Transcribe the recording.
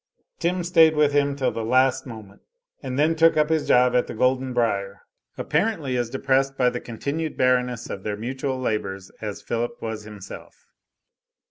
Tim staid with him till the last moment, and then took up his job at the Golden Brier, apparently as depressed by the continued barrenness of their mutual labors as Philip was himself.